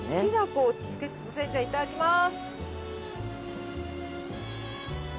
いただきます。